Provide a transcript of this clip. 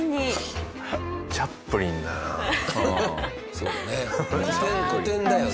そうだね。